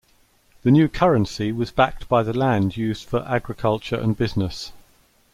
The new currency was backed by the land used for agriculture and business.